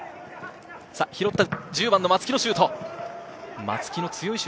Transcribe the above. １０番の松木のシュート。